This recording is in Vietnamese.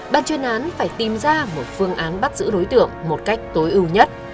ban chuyên án phải tìm ra một phương án bắt giữ đối tượng một cách tối ưu nhất